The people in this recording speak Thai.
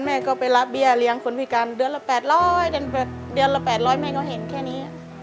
แม่ก็ไปรับเบียร์เลี้ยงคนผิดการณ์เดือนละแปดร้อยเดือนละแปดร้อยแม่เขาเห็นแค่นี้